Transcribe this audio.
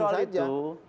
enggak saya setuju saja